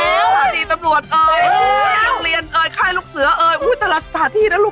สถานีตำรวจเอ่ยโรงเรียนเอ่ยค่ายลูกเสือเอ่ยอุ้ยแต่ละสถานที่นะลูก